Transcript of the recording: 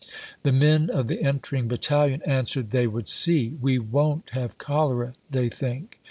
The men of the entering battalion answered, they would see; we won't have cholera, they think.